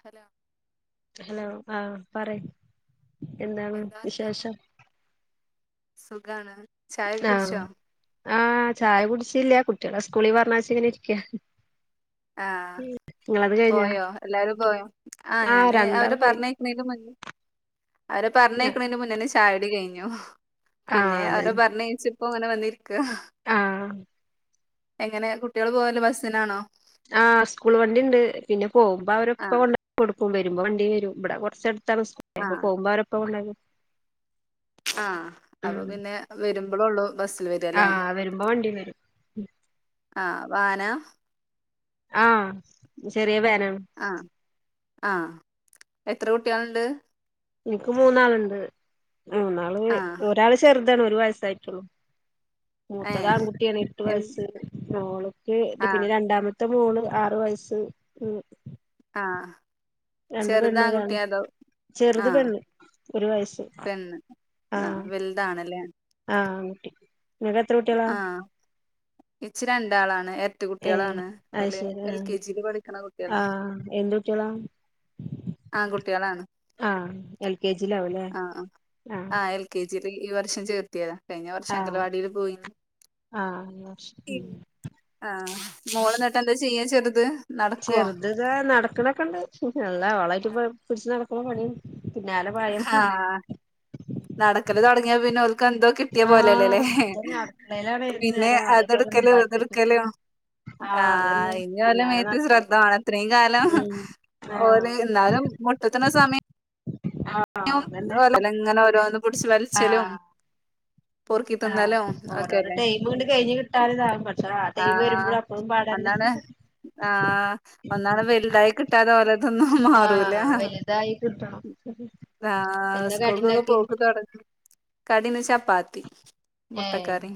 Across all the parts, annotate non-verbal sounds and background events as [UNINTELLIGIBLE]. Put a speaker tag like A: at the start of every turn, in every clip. A: Hello?
B: Hello ആ പറ എന്താണ്
A: എന്താ വർത്താനം
B: വിശേഷം?
A: സുഖാണ്. ചായ
B: ആഹ്
A: കുടിച്ചോ
B: ആഹ് ചായ കുടിച്ചില്ല കുട്ടി കുട്ടികള സ്കൂളിൽ പറഞ്ഞച്ച ഇങ്ങനെ ഇരിക്കാ.
A: ആ.
B: നിങ്ങളത് കഴിഞ്ഞാ
A: പോയോ എല്ലാരും പോയോ ആഹ് ഞാന് അവര്
B: രണ്ടാള് പോയി
A: പറഞ്ഞേക്കണേ ക്കും മു അവരെ പറഞ്ഞക്കണതിന്റെ മുന്നന്നെ ചായകുടി കഴിഞ്ഞു
B: ആഹ്
A: പിന്നെ അവരെ പറഞ്ഞഴച്ചു ഇപ്പോങ്ങനെ വന്നിരിക്ക.
B: ആ.
A: എങ്ങനെ കുട്ടികള് പോവല് ബസ്സിനാണോ?
B: ആ് സ്കൂൾ വണ്ടി ഇണ്ട് പിന്നെ പോകുമ്പോ അവരെ ഉപ്പ
A: ആഹ്
B: കൊണ്ടാക്കി കൊടുക്കും വരുമ്പോ വണ്ടി വരും ഇവിടെ കുറച്ചടുത്ത് പോ [UNINTELLIGIBLE]
A: ആഹ്
B: കുമ്പോ അവരൊപ്പ
A: ആ അപ്പൊ പിന്നെ വരുമ്പോളൊ ള്ളു
B: ആ വരുമ്പോ വണ്ടി വരും.
A: ആവാനാ
B: ആ ചെറിയ വേൻ
A: ആ ആ എത്ര കുട്ട്യാളുണ്ട്
B: നിക്ക് മൂന്നാളുണ്ട് മൂന്നാള്
A: ആഹ്
B: ഒരാള് ചെറ് ഒരു വയസായിട്ടുള്ളൂ മൂത്തത്
A: ഏഹ്
B: ആൺകുട്ടിയാണ് എട്ടു
A: എൻ
B: വയസ്സ് മോള് [UNINTELLIGIBLE] പിന്നെ
A: ആഹ്
B: രണ്ടാമത്തെ മോള് ആറ് വയസ്സ് ഉം
A: ചെറ്താങ്കുട്ടിയാതോ
B: ചെറ്ത് പെണ്ണ് ഒരു വയസ്സ്
A: പെണ്ണ്
B: ആ
A: ആഹ് വലുതാണല്ലേ
B: ആആ
A: ആ ഇച്ച് രണ്ടാളാണ് എര് രട്ട
B: ഏഹ്
A: കുട്ട്യളാണ്
B: അത്
A: ഒല്
B: ശരി
A: എൽ
B: ആഹ്
A: കെ ജി ക്ക് പഠിക്കണ കുട്ട്യളാണ്
B: ആഹ് എന്ത് കുട്ടികളാ
A: ആങ്കുട്ട്യളാണ്
B: ആഹ് എൽ കെ ജിയിലാവുംല്ലേ
A: ആ ആ
B: ആഹ്
A: ആ എൽ കെ ജി [UNINTELLIGIBLE] ഈ വർഷം ചേർത്തിയതാ കഴിഞ്ഞ വർഷം
B: ആഹ്
A: അങ്കലവാടീല് പോയി
B: ആഹ് ഉം
A: ആ മോളന്നിട്ടെന്താ ചെയ്യാ ചെറ്ത്
B: ചെറ്ത് ദാ നടക്കണക്ക്ണ്ട് നല്ല ഓളായിട്ട്പ്പോ പിടിച്ച് നടക്കണ പണി
A: ഹാ നടക്കല് തൊടങ്ങിയാ പിന്നെ ക്കന്തോ കിട്ടിയ പോലല്ലേലെ
B: ആഹ് ഇതന്നെ അടുക്കളയിലാണ് ഏത്
A: പിന്നെ
B: നേരവും അതേപോലെ
A: അതെടുക്കലു
B: ഉമ്മാന്റടുത്ത്ക്ക്
A: ഇതെടുക്കലു ആ
B: ആഹ് അതന്നെ
A: ഇനി ഓലെ
B: പിന്നാലെ
A: മേത്ത്
B: നടക്കണം
A: ശ്രദ്ധവേണം ഇത്രേം കാലം
B: ഉം
A: ഓല്
B: ആഹ്
A: ന്നാലും മുട്ടുത്തണ സമയം
B: ആഹ്
A: യം
B: അതന്നെ
A: ഓല്ങ്ങനെ ഓരോന്ന് പിടിച്ച് വലിച്ചലും പൊറുക്കി
B: ആ
A: തിന്നലും
B: ഓരോരോ
A: ഒക്കെയല്ലേ
B: ടൈമങ്ങ്ട് കഴിഞ്ഞ് കിട്ടാന്താകും പക്ഷേ ആ ടൈമ് വരുമ്പഴും അപ്പഴും പാടന്നെ
A: ണ് ആ ഒന്നാട് വെലുതായി കിട്ടാത [UNINTELLIGIBLE] അതൊന്നും മാറൂല്ല
B: ആഹ് വലുതായി കിട്ടണം
A: ആ
B: എന്താ
A: സ്കൂൾക്കൊക്കെ
B: കടിണ്ടാക്കി
A: പോക്ക് തൊടങ്ങി കടിന്ന് ചപ്പാത്തി
B: ഏയ്
A: മുട്ടക്കറി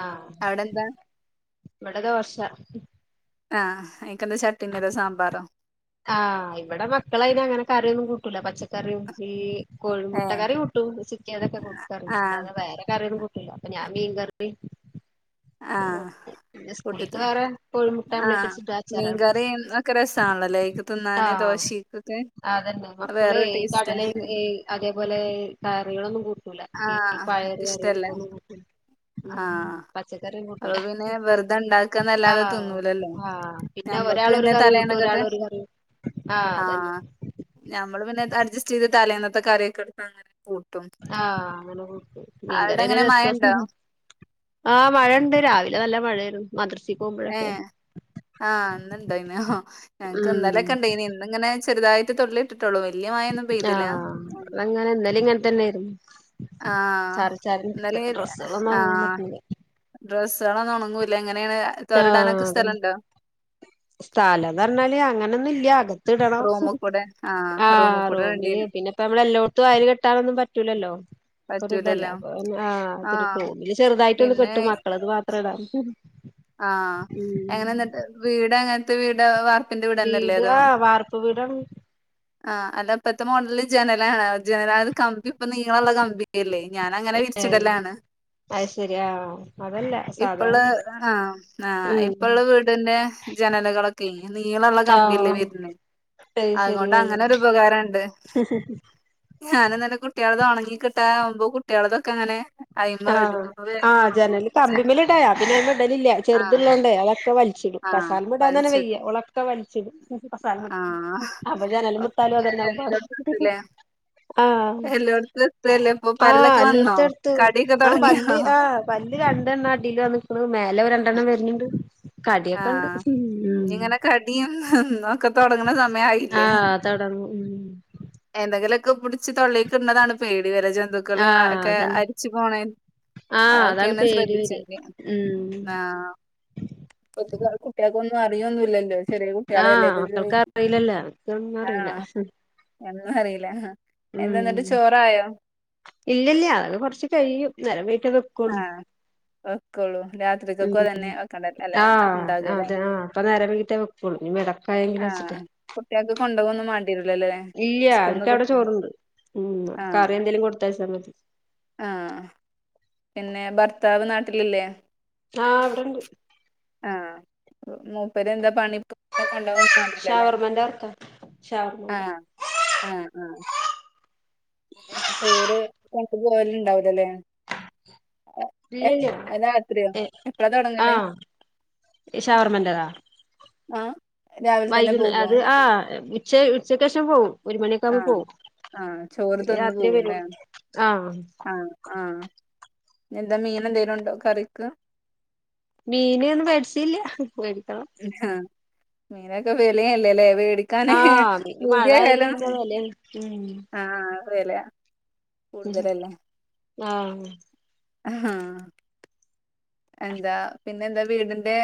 B: ആ
A: അവിടെ എന്താ
B: ഇവ്ടെ ദോശ
A: ആ എനക്ക്ന്താ ചട്നിയോ സാമ്പാറോ
B: ആ ഇവിടെ മക്കളയിനങ്ങനെ കറിയൊന്നും കൂട്ടൂല പച്ചക്കറിയും ഈ കോഴിമുട്ട
A: ഏഹ്
B: കറി കൂട്ടും ചിക്കൻ അതെക്കെ കൂട്ടും കറി
A: ആഹ്
B: അല്ലാതെ വേറെ കറിയൊന്നും കൂട്ടി ട്ടില്ല അപ്പോ ഞാ മീൻ കറി
A: ആ കൂട്ടിത്തിന്ന്
B: വേറെ കോഴിമുട്ട
A: ആ
B: ആംപ്ലേറ്റ് അടിച്ചിട്ട്
A: മീൻ
B: അച്ചാറാടും
A: കറിം ഒക്കെ രസാ ണല്ലേ ക്ക് തിന്നാന്
B: ആഹ്
A: ദോശിയ്ക്കക്കെ
B: അതന്നെ മക്കള് ഈ കടലെ ഈ അതേപോലെ കാറികളൊന്നും കൂ ട്ടൂല ഈ
A: ആഹ്
B: പയറു കറി
A: ഇഷ്ടല്ലേ
B: ഇതൊന്നും കൂട്ടില്ല മ്
A: ആഹ്
B: പ പച്ചകറി
A: അപ്പൊ
B: കൂട്ടൂല
A: പിന്നെ വെറുതെ
B: ആ
A: ഇണ്ടാക്കാന്നല്ലാതെ തിന്നൂലല്ലോ
B: ആ പിന്നെ ഒരാളൊരു കറി കൂട്ടു ഒരാ ഒരാളൊരു കറി ആഹ്
A: ആ
B: അതന്നെ
A: ഞമ്മള് പിന്നെതഡ്ജസ്റ്റ് ചെയ്ത് തലേന്ന ത്തെ കറിയെക്കെ എടുത്തങ്ങനെ കൂട്ടും
B: ആഹ് അങ്ങനെ കൂട്ടും
A: അവിടെ
B: മീൻകറി
A: എങ്ങനെ
B: ഒരു
A: മഴണ്ടോ
B: [UNINTELLIGIBLE] ആ മഴണ്ട് രാവിലെ നല്ല മഴ [UNINTELLIGIBLE]
A: ഏ ആ ഇന്നുണ്ടായിനോ ഞക്ക് ഇന്നലെ
B: ഉം
A: കണ്ടെയിന് ഇന്ന് ഇങ്ങനെ ചെറുതായിട്ട് തൊള്ളിയേട്ടിട്ടുള്ളൂ വലി
B: ആ ഇവിടങ്ങനെ ഇന്നലെങ്ങനതന്നെരുന്നു
A: ആ ഇന്നലെ
B: ഡ്രസ്സുകളൊന്നും
A: ആ
B: ഒണങ്ങാൻ പറ്റുന്നില്ല
A: ഡ്രസ്സ്കളൊന്നും ഒണങ്ങൂല എങ്ങനെയാണ്
B: ആ
A: തോരടാനൊക്കെ
B: അതന്നെ
A: സ്ഥലണ്ടോ
B: സ്ഥലന്നറഞ്ഞാല് അങ്ങനൊന്നുല്ല ത്തിടണം
A: റൂമ് കൂടെ
B: ആ
A: ആഹ് റൂമ് കൂടെ
B: റൂമില്
A: ഇടേണ്ടിവരും
B: പിന്നിപ്പോ മ്മള് എല്ലോട്ത്തും അയല് കെട്ടാനൊന്നും പറ്റൂലല്ലോ ഒറിതല്ലേ
A: പറ്റൂലല്ലോ
B: അപ്പോം ആ
A: ആഹ്
B: [UNINTELLIGIBLE] ചെറുതായിട്ടൊന്ന്
A: പിന്നെ
B: കെട്ടും മക്കളത് മാത്ര മാത്രടാ
A: ആ എങ്ങനെന്നി വീട് എങ്ങൻത്തെ വീടാ വാർ
B: വീട്, ആ വാർപ്പ് വീടാണ്.
A: ആ അല്ല ഇപ്പത്തെ മോഡല് ജനലാണ. ജനല് ആ കമ്പി ഇപ്പം നീളള്ള കമ്പിയല്ലേ. ഞാനങ്ങനെ
B: ഏ
A: വിരിച്ചിടലാണ്.
B: അത് ശരി ആഹ് അതല്ല സാധാ
A: ഇപ്പള് ആ, ആ
B: ഉം
A: ഇപ്പള്ള വീടിന്റെ ജനലകളോക്കെ നീളള്ള കമ്പില്ലേ
B: ആഹ്
A: വരുന്നെ.
B: [UNINTELLIGIBLE]
A: അങ്ങനൊരുപകാരണ്ട് ഞാനിന്നെന്ന കുട്ടിക [UNINTELLIGIBLE] കിട്ടാവുമ്പോ കുട്ട്യളതൊക്കങ്ങനെ
B: ആ ആ ജനല്
A: ജന
B: കമ്പിമേല്ടായ പിന്നെ ഞാ ഇടലില്ല
A: ആഹ്
B: ചെറുത്ള്ളോണ്ടെ അതൊക്കെ വലി
A: ആഹ്
B: കസാൽമെടാന്തന്നെ
A: വലിച്ചിടും
B: വയ്യ ഓളെക്കെ വലിച്ചിടും [UNINTELLIGIBLE]
A: [UNINTELLIGIBLE] ട്ടൂല്ലേ
B: ആഹ്
A: എല്ലോടത്തുംത്രല്ലേ ഇപ്പൊ
B: ആഹ്
A: പല്ലൊക്കെ വന്നോ?
B: എല്ലോട്ത്തും എടുത്തു
A: ക
B: ആ പല്ല്, ആ പല്ല് രണ്ടെണ്ണം അടില് വനിക്കണ് മേലെ രണ്ടെണ്ണം വരുന്നുണ്ട്. കടിയക്കെ ഉണ്ട്
A: ആഹ് ഇനി
B: ഉം.
A: ഇങ്ങനെ കടിയും ഒക്കെ തുടങ്ങണ
B: ആഹ് തോട ഉം
A: എന്തെങ്കിലുക്കെ പിടിച്ച് തൊള്ളെക്ക് ഇന്നതാണ് പേടി, വരെ ജന്തുക്കൾ
B: ആഹ്
A: ഒക്കെ
B: അതന്നെ
A: അരിച്ചു പോണെ
B: ആഹ്
A: അഒക്കെ
B: അതാണ് പേടി വര
A: ശ്രദ്ധിച്ചണ്ട്.
B: ഉം
A: ആഹ്. കുട്ട്യോക്കൊന്നും അറിയോന്നുല്ലല്ലോ. ചെറിയ കുട്ടികളല്ലേ
B: ആഹ്
A: ഇത്
B: മക്കൾക്ക് അറിയില്ലല്ലോ അവർക്കൊന്നും
A: ആ
B: അറിയില്ല
A: എന്നും അറിയില്ല. എന്താ
B: ഉം
A: എന്നിട്ട് ചോറായോ?
B: ട്ട് കൊട്
A: ആഹ് വെക്കുള്ളൂ
B: ഉം
A: രാത്രിക്കൊക്കെ തന്നെ വെക്കണ്ട അല്ലെ
B: ആഹ്
A: ഉണ്ടാകല്ലേ
B: അതെ, ആ അപ്പ നേര വകിട്ടേ വെക്കുളു. ഇനിമടക്കായെങ്കില്ച്ചിട്ട്.
A: ലല്ലേ സ്കൂന്ന്
B: ചോറുണ്ട് ഉം
A: ആ
B: കറി എന്തേലും കൊടുത്തയച്ചാ മതി
A: ആഹ് പിന്നെ ഭർത്താവ് നാട്ടിലില്ലേ?
B: ആഹ് ഇവിടണ്ട്.
A: ആ മൂപ്പര് എന്താ പണിപ്പ കൊണ്ടന്നുംണ്ടില്ലല്ലേ?
B: ഷവർമന്റെ വർക്കാ ഷവർമന്റെ
A: ആഹ് ആഹ് ആ പിന്നെ ചോറ് കൊണ്ടുപോവല്ണ്ടാവുലല്ലേ.
B: ഇല്ലില്ല. ഏ
A: എപ്പളാ തൊടങ്ങല്
B: ആഹ്. ഷവർമെന്റതാ.
A: ആഹ് രാവിലെ തന്നെ
B: വൈകുന്നേ,
A: പോകുവോ
B: അത്, ആ ഉച്ച, ഉച്ചക്കേഷം പോവും. ഒരു മണിയക്കവുമ്പോ
A: ആഹ്
B: പോവും.
A: ആഹ് ചോറ്
B: പിന്ന
A: തിന്ന്
B: രാത്രിയെ
A: പോവുംല്ലേ
B: വരൂള്. ആഹ്
A: ആഹ് ആഹ് എന്താ മീനന്തെലും ഉണ്ടോ കറിക്ക്?
B: മീന് ന്നു വെടിച്ചീല്ല.
A: ആ മീനൊക്കെ വെലയല്ലല്ലേ. വീ എടിക്കാനെ പുതിയ ഏത
B: ഉം
A: അതെല്ലേ.
B: ഉം ആഹ്
A: ആഹ് എന്താ, പിന്നെന്താ വീടിന്റെ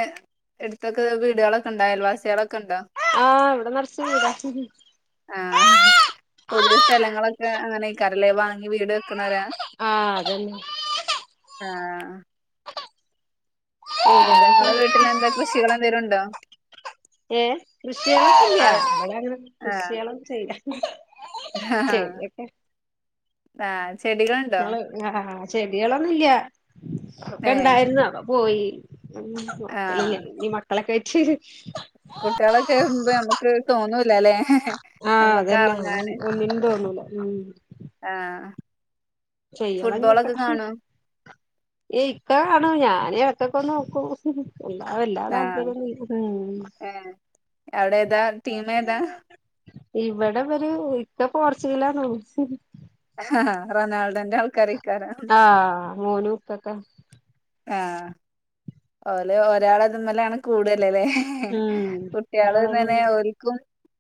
A: ഇടുത്തൊക്കെ വീടുകളൊക്കെണ്ട അയൽവാസികള
B: ആഹ് ഇവിടെ നേർച്ച് വീടാ.
A: ആഹ് പുതിയ സ്ഥലങ്ങളൊക്കെ അങ്ങനെക്കരലെ. വാങ്ങി വീട് വെക്കണോരാ.
B: ആ അതന്നെ.
A: ആഹ് എന്താ ഇങ്ങള വീട്ടിലെന്താ
B: വീടാളൊക്കെണ്ട്
A: കൃഷികളെന്തേരുംണ്ടോ?
B: ഏ കൃഷിയളൊന്നും ല്ല്യ.
A: അവിടെ
B: അള അങ്ങനെ
A: ആഹ്
B: കൃഷിയളോന്നും ചെയ്യില്ല. ശരി ക്കെ.
A: ആഹ
B: ങ്ങ ആഹ ചെടികളൊന്നുംല്ല ഒക്കെ
A: ഏഹ്
B: ഇണ്ടായിരുന്നു അ പോയി ഉറക്കല്ല്യ
A: ആഹ്
B: ഈ മക്കളൊക്കെ ആയിറ്റ്
A: കുട്ടികളൊക്കെ എരുമ്പോ നമ്മക്ക് തോന്നൂല്ലലേ നമ്മക്ക് അറങ്ങാന്
B: എന്തോന്നൂല
A: ആഹ് ഫുട്ബോളൊക്കെ
B: ചെയ്യണംഇന്നിട്ട്
A: കാണോ
B: ഈ ഇക്ക കാണു ഞാന് ഇക്ക നോക്കൂ ഹു ഹു [UNINTELLIGIBLE] എല്ലാവ എല്ലാ
A: ആഹ്
B: താല്പര്യംൊന്ന
A: ഏഹ് അവിടെ ഏതാ? ടീമ് ഏതാ?
B: ഇവിടെവരു ഇക്ക പോർച്ചുഗലാന്നു.
A: ആ ഹ ഹാ റൊണാൾഡോന്റെ ആൾക്കാര്
B: ആഹ മോനു ക്കക്കെ
A: ആഹ ഓല ഒരാളെ തിന്നലാണ് കൂടലല്ലേ
B: ഉം
A: കുട്ടികള്
B: ഒരാളെ
A: ഇങ്ങനെ ഒരിക്കും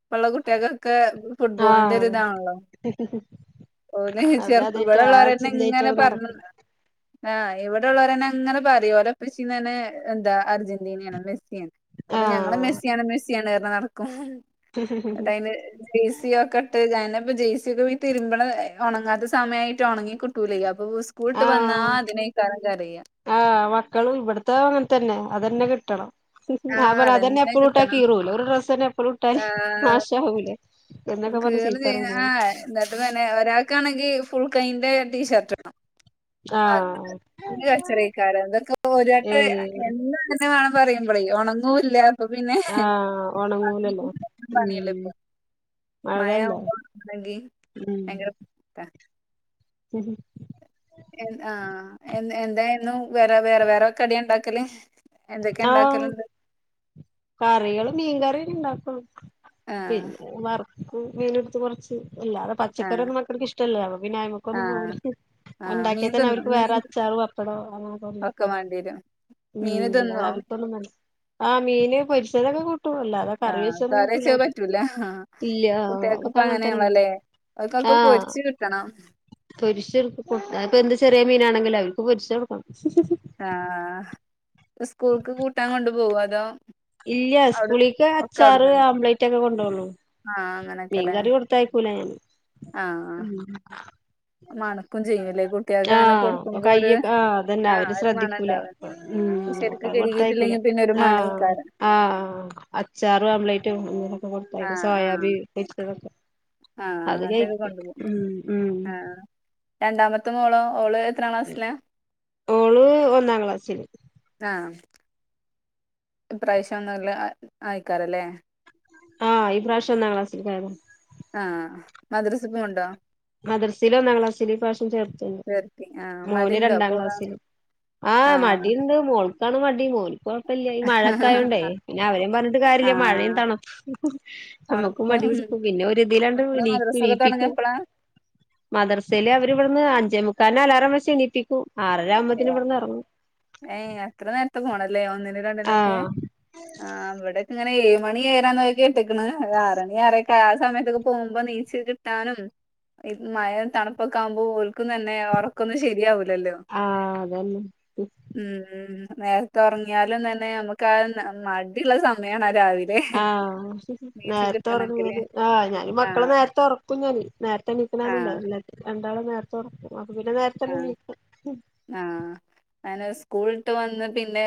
A: ഇപ്പ ഉള്ള കുട്ടികൾക്കൊക്കെ
B: ആ
A: ഫുട്ബോളിന്റെ ഒരിതാണല്ലോ ഓനെ ചെർത്
B: അവരതായിട്ട്
A: ഇവിടെ
B: ആ
A: ഉള്ളൊരെന്ന് ഇങ്ങനെ
B: ചിന്തായിട്ടാണ് നടക്ക
A: പറഞ്ഞന്ത ആഹ് ഇവിടെഉള്ളോരെന്നെ അങ്ങനെ പറയുംഓല ഇപ്പഷി തന്നെ എന്താ അർജന്റീനയാണ് മെസ് മഅപ്പൊ
B: ആഹ്
A: ഞങ്ങള്മെസ്സിയാണ് മെസ്സിയാണ് എറഞ് നടക്കും നട്ടൻ അതിന് ടി സിയോ ഒക്കെ ഇട്ട് പ്പൊ ജെയ്സി ഒക്കെ തിരിമ്പ്ണ ഉണങ്ങാത്ത സമയമായിട്ട് ഉണങ്ങി കിട്ടുലയ് അപ്പൊ സ്കൂളട്ട് വന്നാ
B: ആഹ്
A: അതിനേ യ്കാരം കരയ
B: ആഹ് മക്കള ഇവിടത്തത അങ്ങനെത്തന്നെ അതന്നെ കിട്ടണം അ
A: ആഹ്
B: പറ അതന്നെ എപ്പഴും ഇട്ടാൽ
A: കിട്ടണം
B: കീറൂലെ ഒരു ഡ്രസെന്നെ എപ്പഴും ഇട്ടാല് നാശവുലെ എന്നൊ
A: കീറു ചെയു ആ് എന്നിട്ട് തന്നെ ഒരാൾക്കാണെങ്കി ഫുൾ കൈന്റെ ടീഷർട്ട് വണം അപ്പൊ അത്
B: ആഹ്
A: കച്ചറയ്ക്കാരം എന്തൊക്ക ഒരേട്ട [UNINTELLIGIBLE] [UNINTELLIGIBLE]
B: ഏഹ്
A: പറയുമ്പള് പറയുമ്പോളേ ഉണങ്ങുല്ല അപ്പൊ പിന്നെ
B: ആഹ് ഒണങ്ങൂലല്ലോ
A: [UNINTELLIGIBLE]
B: ഉം
A: പണിയല്ലോ ഇപ്പൊ മയ
B: മഴല്ലേ
A: [UNINTELLIGIBLE] നങ്കി
B: ഉം
A: ഭയങ്കര ബുദ്ധി [UNINTELLIGIBLE] അ [UNINTELLIGIBLE] ആ എന്തഎന്നും വേറെ വേറെവേറെ കടി ഉണ്ടാക്കല് എന്തൊക്കെ
B: ആഹ്
A: ഉണ്ടാക്കല്ണ്ട്
B: കറികള് മീൻകറിഇണ്ടാക്കൂ
A: ആ
B: പിന്നെ വറക്കും മീന ഇടുത്ത് കൊറച്ച് ഇല്ലതെ
A: ആ
B: പച്ചക്കറി ഒനും മക്കൾക്ക് ഇഷ്ടല്ലലൊ അപ്പൊ
A: ആ
B: പിന്നൊയ്മക്കൊന്നും പോവില്ല
A: ആ
B: ഉണ്ടാക്കിയാ
A: മീൻ
B: തന്നെ
A: തിന്നോ
B: അവർക്ക്
A: മീൻ
B: വേറെ അച്ചാറും വപ്പടോ അങ്ങ [UNINTELLIGIBLE]
A: ഒക്കെ
B: ണ്ടാക്കും
A: വേണ്ടിവരും മീന്
B: ഉം അത
A: തിന്നോ
B: അവർക്കൊന്നുംമ ആ മീന് പൊരിച്ചധൊക്കെ കു
A: ആഹ കറിച്ചത് പറ്റൂല ആ
B: ഇല്ല
A: കുട്ടികൾക്ക് ഇപ്പ
B: അതൊക്കെ അങ്ങനത്തന്നെണ്ട്
A: അങ്ങനെണല്ലോലേ ഓല്ക്ഒക്കെപൊരിച്ച് കിട്ടണം
B: പൊരിച്ചകൊ [UNINTELLIGIBLE] അത് ഇപ്പൊ എന്ത് ചെറിയ മീനാണെങ്കിലും അവർക്ക് പൊരിചൊടുകൊടുക്കണം
A: അആഹ സ്കൂൾക്ക് കൂട്ടാൻ കൊണ്ട് പോകൊ അതോ
B: ഇല്ല
A: അവിടെ
B: സ്കൂളിക്ക്
A: ഒക്കെ
B: അച്ചാറ്
A: അവിടുന്ന്
B: ആംബ്ലറ്റ് ഒക്കെ കൊണ്ടോള്ളൂ
A: ആഹ്
B: മീൻ
A: അങ്ങനൊക്കെല്ലേ
B: കറി കൊടുത്തായിക്കൂല ഞാൻ
A: ആഹ്
B: [UNINTELLIGIBLE]
A: മണക്കും ചെയ്യൂല്ലേ കുട്ടികൾക്ക് അങ്ങനെ
B: ആഹ് അപ്പ
A: കൊടുക്കുമ്പോ ഒരു
B: കയ്യൊക്കെ അതന്നെ
A: ആഹ്
B: അവര്
A: ഒരു മണം
B: ശ്രദ്ധിക്കൂല
A: ഉണ്ടാവും
B: [UNINTELLIGIBLE] അപ്പൊ
A: ശരിക്ക്
B: അത് കൊടുത്തായിക്കൂല
A: കഴുകിയിട്ടില്ലെങ്കിൽ പിന്നെ ഒരു
B: ആ
A: മണേക്കാരം
B: ആഹ് അച്ചാറും ആംബ്ലെറ്റും കൊടുത്തക്ക
A: ആഹ്
B: സോയാബി
A: ആഹ്
B: പൊരിച്ചതൊക്കെ
A: ആഹ്
B: അതകയി
A: അങ്ങനത്തൊക്കെ കൊണ്ടുപോകും
B: ഉം ഉം
A: രണ്ടാമത്തെ മോളോ ഓള് എത്ര ക്ലാസ്സില
B: ഓള് ഒന്നാം ക്ലാസ്സില്
A: ആഹ് ഇപ്രാവശ്യം ഒന്ന് ർ ല് ആയിക്കാറല്ലേ
B: ആഹ് ഈ പ്രാവശ്യംന്നാം ക്ലാസ്സിൽക് ആയതാ
A: ആഹ മദ്റസ് പോണ്ടോ
B: മദ്റസില് ഒന്നാംളാസില് ഇപ്രാവശ്യം ചേർത്തു
A: ചേർത്തി ആഹ്
B: മോന്
A: മടിയുണ്ടോ
B: രണ്ടാം
A: പോകാന്
B: ക്ലാസ്സില് ആ
A: ആഹ്
B: മടിണ്ട് മോൾക്കാണ് മടി മോൻകോ ല്ല ഈ മഴയൊക്കൊയയോണ്ടേ പിന്നെ അവരേും പറഞ്ഞിട്ട് കാര്യമില്ല മഴയും
A: ആഹ്
B: തണോ നമ്മുക്കും
A: തണുപ്പും
B: മടിപട പിന്നെ ഒരു ഇതിലാണ്ട് നീക്ക
A: മദ്രസൊക്കെ
B: നീപ്പിക്കൂ
A: തുടങ്ങിയപ്പളാ
B: മദർസയിലെ അവരിവിടുന്ന് അഞ്ചേ മുക്കാല്ൻ അലാറം എണീപ്പിക്കും ആറര ആവുമ്പോത്തിന്
A: അ്
B: ഇവിടുന്ന് ഇറങ്ങും
A: ഏ അത്ര നേര പോണല്ലേ ഒന്നിന രണ്ടിനൊക്കെ
B: ആഹ്
A: ആവിടെ അങ്ങനെ ഏഴ മണി ഏരാന്ന് കെട്ടിിക്ക ആറണി ആറെക്കെ ആ സമയത്തൊക്കെ പോകുമ്പോ നീച്ച കിട്ടാനും മഴ തണുപ്പൊക്കെ ആകുമ്പോ ഒക്കും തന്നെ ഉറക്കൊന്നും ശരിയാവല്ല
B: ആഹ അതന്നെ
A: ഉ നേരത്തെ ഉറങ്ങിയാലും തന്നെ നമുക്ക് ആ മടിയുള്ള സമയമാണ്
B: ആഹ നേരത്തെ
A: കിട്ടണെങ്കില്
B: ഉറങ്ങല് ആഹ് ഞാൻ മക്കളെ
A: ആഹ്
B: നേരത്തെ ഉറക്കും ഞൻ നേരത്തെ ഇ
A: ആഹ്
B: നൽക്കാനുണ്ടല്ല രണ്ടാളും നേരത്തെ ഉറക്ക പിന്നെ നേരത്തെന്നെ
A: ആഹ്
B: വ
A: ഞാന് സ്കൂളിട്ട് വന്ന് പിന്നെ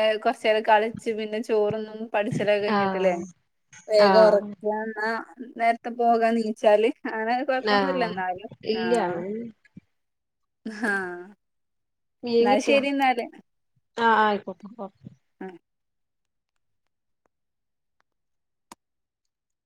A: കളിച്ച് പിന്നെ ചോറൊന്നും പഠിച്ചില കഴിഞ്ഞിട്ടില്ലേ
B: ആഹ്
A: വേഗം
B: ആഹ്
A: ഉറക്കന്ന നേരത്തെ പോകാ നീച്ചാല് അങ്ങനെ കൊഴപ്പൊന്നുമല്ല
B: ആഹ്
A: എന്നാലും
B: ഇല്ല
A: ആഹ ആഹ എന്നാൽ ശരി എന്നാല്
B: ആഹ ആയിക്കോക്കട്ടെ ഓക്കെ
A: ഉഹ